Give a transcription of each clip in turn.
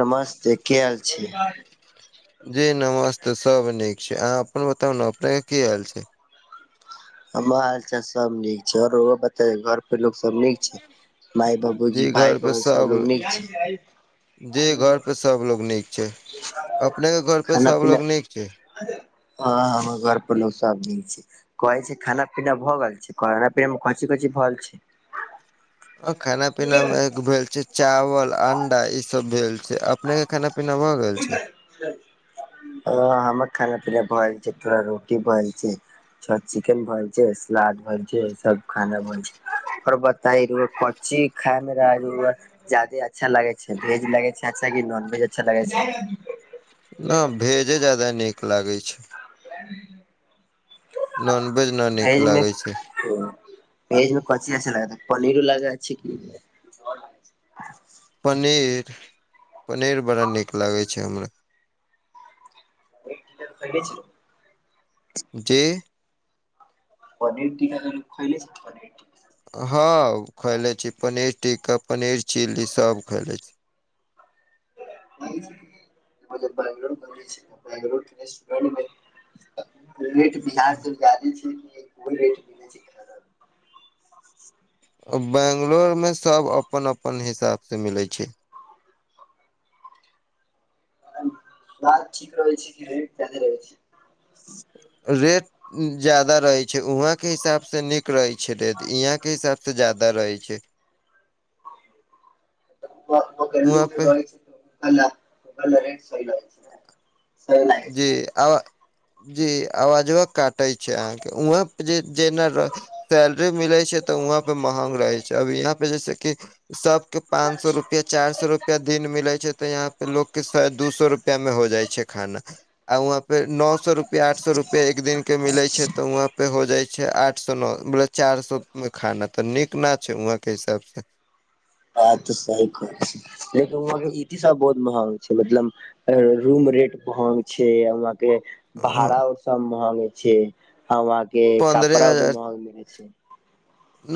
नमस्ते के हाल छै जी नमस्ते सभ नीक छै अहाँ अपन बताउ ने अपने के की हाल छै हाल चाल सभ नीक छै आओर बता घर लोग सभ नीक छै माय जी बाबूजी भाय घर पे बन सब सभलोग नीक छै जी घर पे सभलोग नीक छै अपनेके घर पे खाना पीना सभलोग नीक छै हँ हमर घरपर लोक सभ मिल छै कहै छै खाना पीना भऽ गेल छै खाना पीना मे कची खची भऽ छै। [inaudible] खाना पीना मे एकगो भेल छै चावल अंडा ई सभ भेल छै अपने के खाना पीना भऽ गेल छै स हमर खाना पीना भऽ छै थोड़ा रोटी भऽ छै छै चिकेन भइ छै सलाद भए छै सभ खाना भइ छै फर बता रह पची खायमे रहलू जादे अच्छा लगे छै वेज लगे छै अच्छा क नॉन वेज अच्छा लगे छै। नहि वेजे जदा नीक लागैत छै। ह। नॉन वेज नहि नीक लागैत छै। ओ वेज मे कथी अस लगा पनीरो लगा छै कि ब। पनीर पनीर बड़ा नीक लागै छै हमरा। फने। कि पनीर तिक्का लोक खएइै पनीर ह खैले छी पनीर टिक्का पनीर चिली सभ खैले छी बरोड मिर छै बोड। रेट बिहार से जादे छै कोन रेट मिल छै। बैंगलोर मे सभ अपन अपन हिसाबसँ मिलैत छै बात ठीक रहै छै कि रेट जादे रहै छै। ह। रेट जदा रहे छै वहा के हिसाब से नीक रहै छै रे यहाँ के हिसाब से जादा रहै छै। जे वहाँ रहै पे छै रे सलै [unintelligible] जी आब। जी आवाजवा काटे छै अहाँकेँ वहाँं पर जे जेना सैलरी मिलै छै त वहाँ पे महग रहै छै अब यहाँ पे जैस कि सभ के पाँच सए रुपआ चार सए रुपआ दिन मिले छै ते यहा पे लोग के दू सए रुपआ मे हो जाइ छै खाना आ वहा पे नओ सए रुपआ आठ सए रुपआ एक दिन के मिले छै तो वहा पे हो जाय छै छै आठ सँ नऽ चार सौ मे खाना तऽ नीक ना छै वहाँ के हिसाब से ब तऽ सही कहे छै लेकिन वहाँ केँ इ सब बहुत महंग छै मतलब रूम रेट बहुत छै वहाँ केँ भाड़ा सब महंग छै वहाँ केँ पन्द्रह कपड़ा भी महंग मिले छै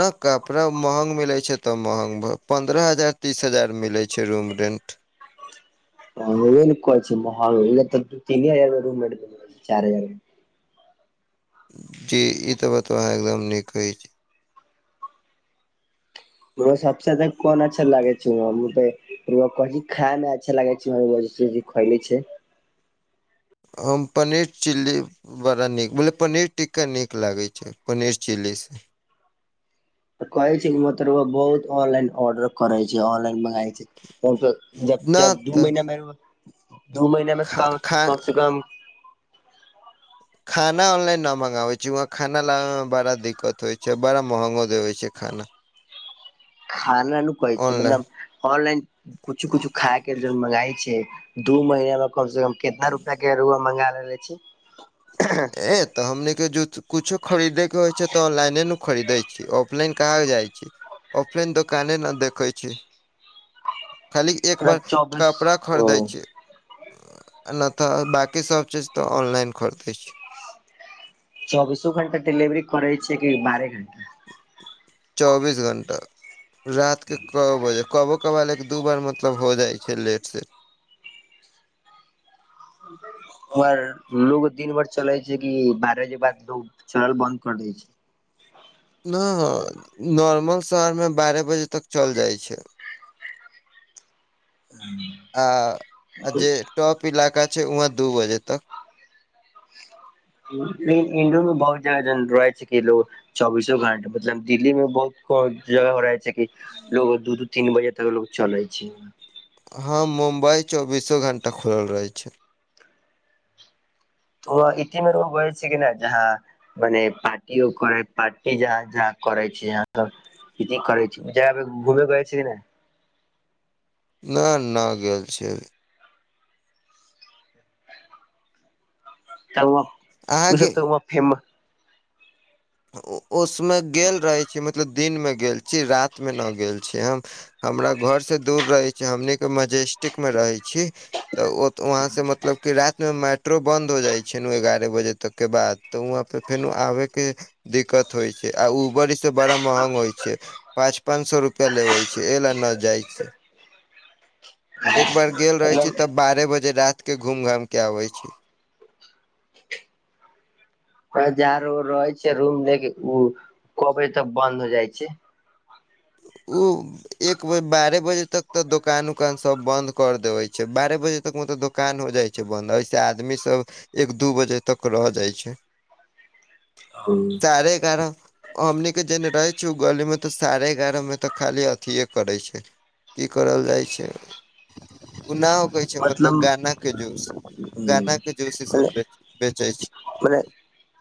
नहि कपड़ा महंग मिलैछै तब महंग भ पन्द्रह हजार तीस हजार मिलै छै रूम रेन्ट अनैरे नऽ कहै छी महंग अनै तऽ तीन हजार रूम रेंट चार हजार जी इ तऽ बतबा अहाँ एकदम नीक कहै छी [unintelligible] सबसे तऽ कोन अच्छा लागे छ तऽ [unintelligible] हम पनीर चिल्ली बड़ा नीक बोलें पनीर टिक्का नीक लागैत छै पनीर चिली से कहै छै कि मत रौआ बहुत ऑनलाइन ऑर्डर करै छी ऑनलाइन मँगाइ छै ना तऽ खा खा [unintelligible] खाना ऑनलाइन न मंगाबे छी वहाँ खाना लाबे मे बड़ा दिक्कत होइ छै बड़ा महंगो देबै छै खाना खाना नू नै कहै छै ऑनलाइन मतलब ऑनलाइन कुछो कुछो खाए केँ जे मंगाइ छै दू महीना मे कम से कम कितना रुपआ केँ रौआ मंगाेे लेले छी ए तऽ हमनी केँ जो कुछो खरीदे केँ होइ छै तऽ ऑनलाइने नऽ खरीदे छी ऑफलाइन का होजाइ छै [inaudible] ऑफलाइन दोकाने न देखै छिए खाली एक बार मतलब चौबीस कपड़ा ओ खरीदै छिए नहि तऽ बकी सब चीज तऽ ऑनलाइन खरीदै छी चौबीसो घंटा डिलिवरी करै छियै कि बारहे घंटा [inaudible] चौबीस घणटा [inaudible] रति केँ कऽ बजे कबो कभाल एक दू बार मतलब हो जाइ छै लेट सेट [inaudible] पर लोग दिन भर चलै छै कि बारह बजे बाद लोग चलल बन्द कर दै छै नहि नॉर्मल शहरमे बारह बजे तक चल जाइ छै [inaudible] आ [inaudible] जे टॉप इलाका छै वहाँ दू बजे तक [inaudible] [unintelligible] चौबीसो घंटा मतलब दिल्ली में बहुत जगह म रहै छै की लोग दू दू तीन बजे तक लोग चले छै हँ मुम्बई चौबीसो घण्टा खुलल रहै छै ओ इतिमे र बै छै कि नहि जहाँ मने पार्टी करै पार्टी जहाँ जहाँ करै छै सब [unintelligible] न ना गेल छिये अभी सबो [inaudible] अहाँ उ गे सब त वहाॅं फेम उसमे गेल रहैय छी मतलब दिनमे गेल छी रातमे ना गेल छी हम हमरा घर से दूर रहै छी हमनी केँ मजेस्टिक मे रहै छी तऽ ओ त वहाँ से मतलब फिर रायतमे मेट्रो बन्द हो जाइ छै न ओ एगारह बजे तक केँ बाद तऽ वहाँपर फेनू आबै केँ दिक्कत होइ छै आ उबर सँ बड़ा महॅंग होइ छै पाँच पाँन सो रुपया लेवय छै ए ला न जाइ छै एक बार गेल रहै छी तब मतलब बारे बज्जे रात के घूम घाम के आबै छी अहाॅं जा र-र- रहै छीयै रूम लेके उ कऽ कहबे तऽ बन्द हो जाइ छै उ एक वे बारै बजे तक तऽ दोकान उकान सब बंद कर देबय छै बारह बजे तकमें तऽ द दुकान हो जाइ छै बन्द अय सॅं आदमी सब एक दू बजे तक रह जाइ छै [inaudible] हूं साढ़े एगारह हमनी के जेने रहे छी उ गली में तऽ साढ़े ए एगारह मऽ तऽ खाली अथिये करै छै की करल जाइ छै [unintelligible] मतलब गन्ना के जूस गन्ना के जूस ई सब बेच्च बेच्चे छै मने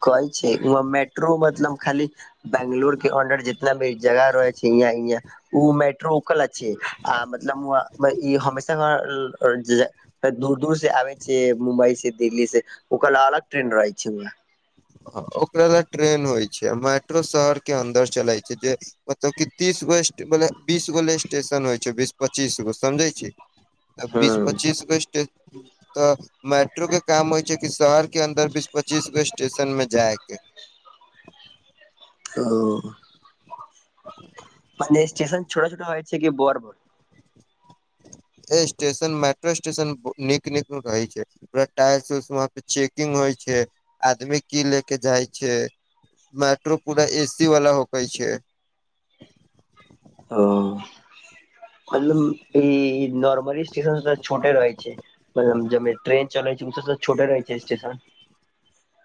कहै छै वहां मेट्रो मतलब खाली बेंगलोर के अडर जे [unintelligible] जगा रहै छी यनां यनां उ मेट्रो उकला छी आ मतलब उ हुंआ ई हमेशा [unintelligible] दूर दूर से आबे छियै मुम्बई से दिल्ली से ओका ल अलग ट्रेन रहै छै उ हं ओकरा ल ट्रेन होइ छै आ मेट्रो शहर के अन्दर चलै छै जे मतलब की तीसगो स्टे मतलब बीसगो ल स्टेशन होइ छै बीस पच्चीसगो समझै छीहीं आ बीस हूँ पच्चीस गो स्टे तऽ मेट्रो के काम होइ छै कि शहर के अन्दर बीस पच्चीस गो स्टेशन मऽ जायके ओ मन्ने स्टेशन छोटा - छोटा होइ छै कि बर - बर ए स्टेशन मेट्रो स्टेशन ब नीक - नीक रहै छै पूरा टाइल्स उस वहाँ पे चेकिंग होइ छै आदमी की लेके जाइ छै मेट्रो पूरा ए सी वाला होके छै ओ मतलब ई नार्मली स्टेशन सॅं तऽ छोटे रहै छै मतलब जम्मे ट्रेन चलै छै ऊ से त छोटे रहै छै स्टेशन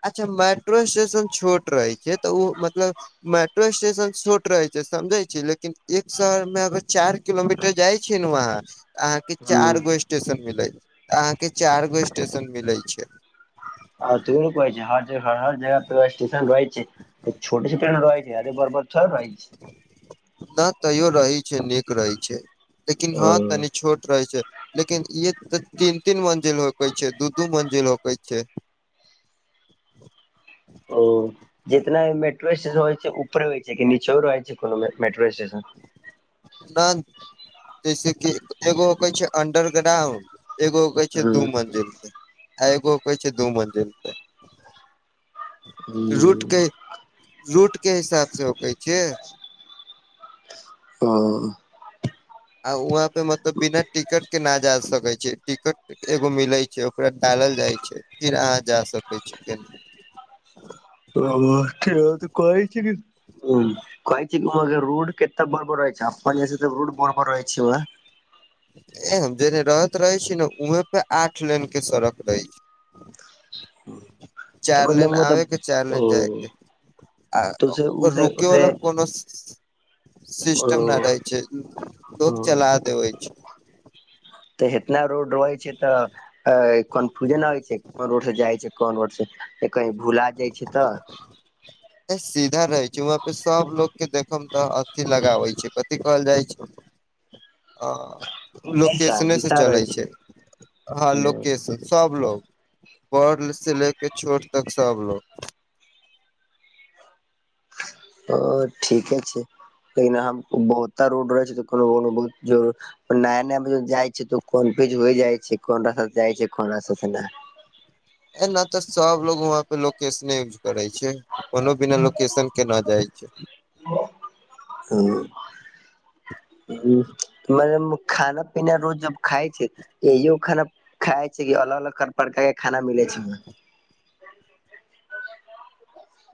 अच्छा मेट्रो स्टेशन छोट रहै छै तऽ उ मतलब मेट्रो स्टेशन छोट रहै छै समझै छीहीं लेकिन एक शहर मे अगर चार किलोमीटर जाइ छिहीं नऽ ऊंहा अहाँके हूँ चार गो स्टेशन मिलैत अहाँके चार गो स्टेशन मिलै छै [unintelligible] हर ज हर - हर जगह पर एगो स्टेशन रहै छै छोटे - छोटे नऽ रहे छै अयते बड़ - बड़ थोयरे रहै छै नऽ तैयो रहै छै नीक रहै छै लेकिन छै हँ तनि छोट रहै छै लेकिन ईय तऽ तीन - तीन मंजिल होकय छै दू - दू मंजिल होकय छै ओ जितना ई मेट्रो स्टेशन होइ छै ऊपरे होइ छै कि नीचे रहै छै कोनो में मेट्रो स्टेशन [unintelligible] जैसे की एगो कहै छै अंडरग्राउंड एगो एगो हूँ दू मंजिल पे आ एगो कहै छै दू मंजिल पे रूटके रूटके हिसाबसँ होयके छियै [unintelligible] आ वहाँ पे मतलब बिना टिकट कऽ नऽ जा सकै छै टिकट एगो मिलै छै ओकरा डालल जाइ छै फिर अहाँ जा सकै छी केनहूं ओ [unintelligible] कहै छै कि उ कही छी [unintelligible] रोड कते बड़ - बड़ रहै छै अप्पन [unintelligible] त रोड बड़ - बड़ रहइ छै व ए हम जेने रहत रहे छी ने उहें पे आठ लेन कऽ सड़क रहे छै तऽ चार लैन मतलब मतलब आबे के चार ओ लैन जाए के आ तोसे उसे रुक उसे वाला कोनो उसे ओ सिस्टम नहि रहै छै लोक ओ चला देवे छै। तऽ इतना रोड रहै छै त कन्फ्यूजन हो। छै कोन रोड से जाइ छै कोन रोड से कही भूला जाइ छै तऽ सीधा रहे छै वहा पे सभ लोग के देख मे तऽ अथि लगे छै कथि कहल जाय छै आ। दिशा लोकेशने से दिशा चलै रहै छै ह ओ लोकेशन सभलोग पढ़ से लेके छोट तक सभलोग ठीके छै लेकिन हम बहु रोड रहे छै तऽ कोनो कोनो बहु जर नया नया जाइ छै तऽ कनफ्यूज होइ जाइ छै कोन रास्त जाइ छै कोन रास्ता ने एना न तऽ सभ लोग वहाँं पे लोकशने करै छै कोनो बिना लोकेशन के ना जाइ छै हू मने खाना पीना रोज जब खाय छै एो खाना खाय छै कि अलग अलग प्रकार के खाना मिले छै वहाँ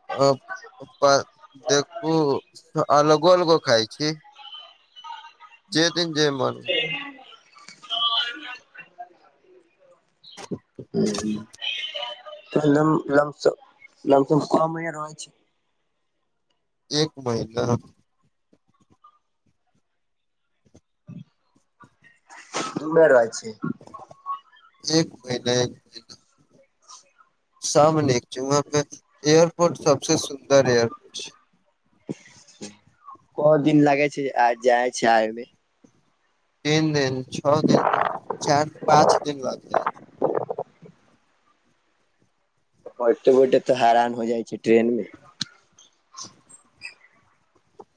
आ अ देखू अलगो अलगो खाय छी जे दिन जे मान आ। ह कमे रहै छै [unintelligible] एक महिना। उमेर राजा छै एक महिना एक महिना। सामने च एयरपोर्ट सभसे सुंन्दर एयरपोर्ट छै को दिन लागै छै आ जाइ छै आइमे तीन दिन छओ दिन तऽ चार पाँच दिन लागत बठते बैठते तऽ हेरान हो जाइ छै ट्रेन मे। ह।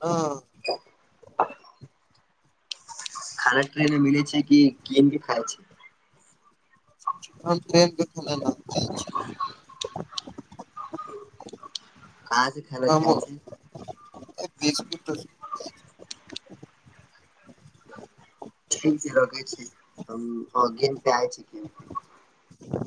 हँ। [inaudible] खाना ट्रेने मिल छै कि कीन के खाइ छै हम ट्रेन मे आज खर खाइ छै। बिसकुट। ठीक छै रगै छै गेम पे आय छै गेम